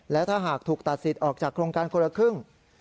และถ้าหากถูกตัดสิทธิ์ออกจากโครงการคนละครึ่ง